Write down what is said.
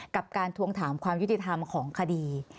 กับการทวงถามความยุติธรรมของคดี